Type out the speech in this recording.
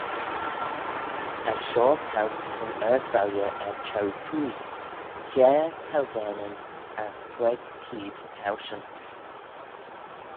As shoh towse yn ard-valley er cheu-twoaie, kiare thousaneyn as queig cheead towshan.